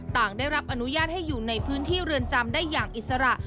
ได้รับอนุญาตให้อยู่ในพื้นที่เรือนจำได้อย่างอิสระ